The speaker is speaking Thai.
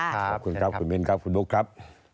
ขอบคุณครับคุณมิ้นครับคุณบุ๊คครับ